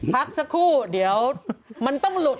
พักสักครู่เดี๋ยวมันต้องหลุด